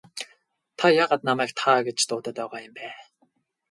Та яагаад намайг та гэж дуудаад байгаа юм бэ?